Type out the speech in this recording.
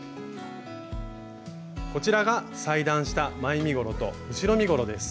こちらが裁断した前身ごろと後ろ身ごろです。